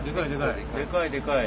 でかいでかい。